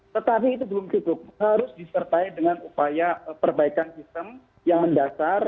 tetapi itu belum cukup harus disertai dengan upaya perbaikan sistem yang mendasar